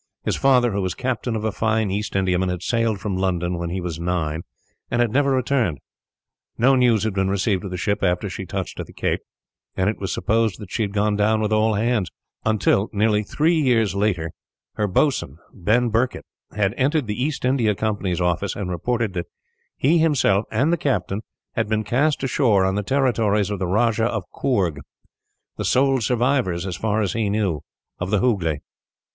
His father, who was captain of a fine East Indiaman, had sailed from London when he was nine, and had never returned. No news had been received of the ship after she touched at the Cape, and it was supposed that she had gone down with all hands; until, nearly three years later, her boatswain, Ben Birket, had entered the East India Company's office, and reported that he himself, and the captain, had been cast ashore on the territories of the Rajah of Coorg; the sole survivors, as far as he knew, of the Hooghley.